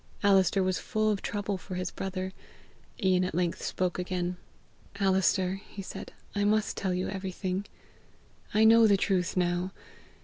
Alister was full of trouble for his brother. Ian at length spoke again. "Alister," he said, "I must tell you everything! I know the truth now.